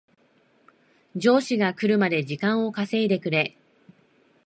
上司が来るまで時間を稼いでくれ